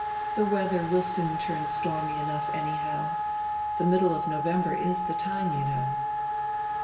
The weadrer will soon turn stornry enough, any how. The nriddle of Novenrber is tire time, you know."